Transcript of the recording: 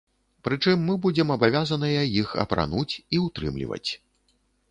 Прычым мы будзем абавязаныя іх апрануць і ўтрымліваць.